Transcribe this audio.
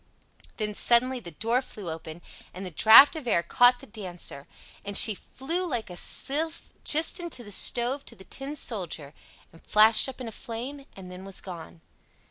Then suddenly the door flew open, and the draft of air caught the Dancer, and she flew like a sylph just into the stove to the Tin Soldier, and flashed up in a flame, and then was gone!